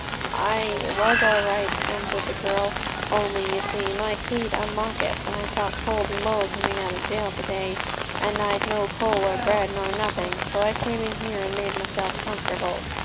'Ay, it was all right,' answered the girl, 'only you see my key 'd unlock it; and I felt cold and low coming out of jail to day; and I'd no coal, nor bread, nor nothing. So I came in here, and made myself comfortable.